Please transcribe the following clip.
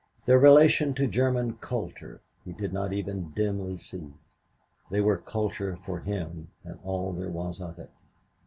Their relation to German Kultur, he did not even dimly see. They were Kultur for him and all there was of it.